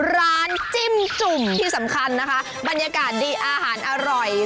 จิ้มจุ่มที่สำคัญนะคะบรรยากาศดีอาหารอร่อย